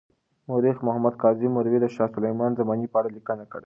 مورخ محمد کاظم مروي د شاه سلیمان د زمانې په اړه لیکنه کړې.